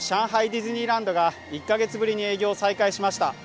ディズニーランドが１か月ぶりに営業を再開しました。